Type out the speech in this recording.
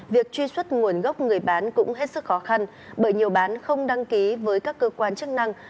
việc truy xuất nguồn gốc người bán cũng hết sức khó khăn bởi nhiều bán không đăng ký với các cơ quan chức năng